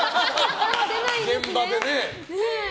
現場でね。